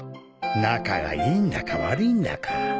仲がいいんだか悪いんだか。